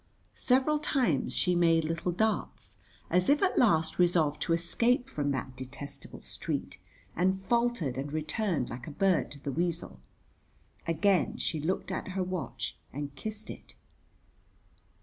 Several times she made little darts, as if at last resolved to escape from that detestable street, and faltered and returned like a bird to the weasel. Again she looked at her watch and kissed it.